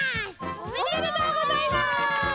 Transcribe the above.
おめでとうございます。